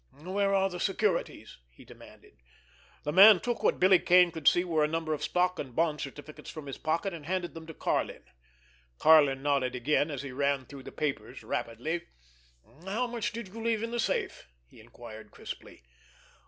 "Where are the securities?" he demanded. The man took what Billy Kane could see were a number of stock and bond certificates from his pocket, and handed them to Karlin. Karlin nodded again, as he ran through the papers rapidly. "How much did you leave in the safe?" he inquired crisply.